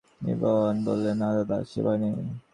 নবীন বললে, না দাদা, সে ভয় নেই।